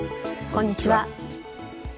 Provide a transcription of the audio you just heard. こんにちは。